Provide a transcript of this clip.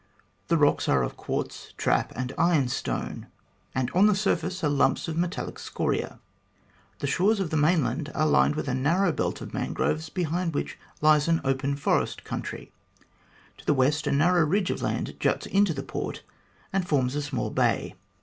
The rocks are of quartz, trap, and iron stone ; and on the surface are lumps of metallic scoria. The shores of the mainland are lined with a narrow belt of man groves, behind which lies an open forest country. To the west a narrow ridge of land juts into the port, and forms a small bay.